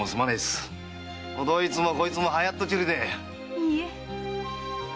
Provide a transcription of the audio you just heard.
いいえ。